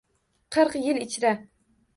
Qirq yil ichra